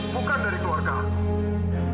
bukan dari keluargamu